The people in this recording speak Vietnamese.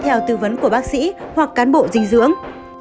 theo tư vấn của bác sĩ hoặc cán bộ dinh dưỡng